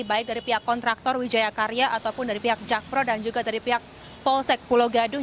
baik dari pihak kontraktor wijaya karya ataupun dari pihak jakpro dan juga dari pihak polsek pulau gadung